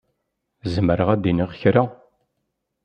Zemreɣ ad d-iniɣ kra?